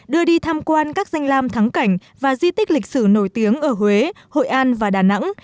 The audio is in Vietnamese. đưa đi tham quan các danh lam thắng cảnh và di tích lịch sử nổi tiếng ở huế hội an và đà nẵng